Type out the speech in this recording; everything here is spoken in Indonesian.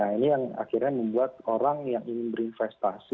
nah ini yang akhirnya membuat orang yang ingin berinvestasi